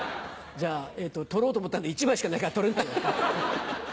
じゃあ取ろうと思ったんだけど１枚しかないから取れない。